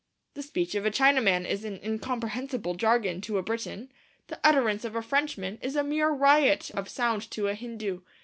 The speech of a Chinaman is an incomprehensible jargon to a Briton; the utterance of a Frenchman is a mere riot of sound to a Hindu.